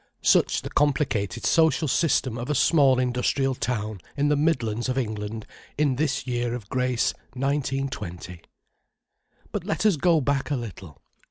Such the complicated social system of a small industrial town in the Midlands of England, in this year of grace 1920. But let us go back a little.